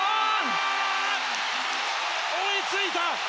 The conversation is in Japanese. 追いついた！